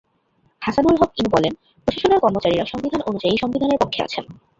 হাসানুল হক ইনু বলেন, প্রশাসনের কর্মচারীরা সংবিধান অনুযায়ী সংবিধানের পক্ষে আছেন।